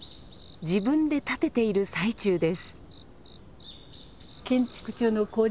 自分で建てている最中です。